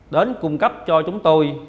đến cung cấp cho chúng tôi